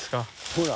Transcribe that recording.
ほら。